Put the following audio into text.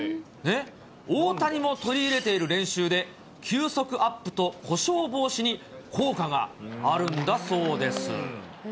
大谷も取り入れている練習で、球速アップと故障防止に効果があるんだそうです。